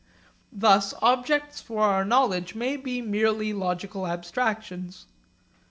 Thus objects for our knowledge may be merely logical abstractions.